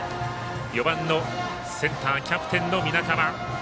４番のセンターキャプテンの皆川。